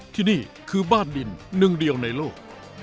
ที่นี่คือบ้านดินหนึ่งเดียวในโลก